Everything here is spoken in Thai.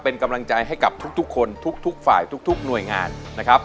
เป็นกำลังใจให้กับทุกคนทุกฝ่ายทุกหน่วยงานนะครับ